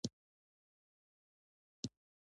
د کندهار شهیدانو چوک لالا تبصره کوي.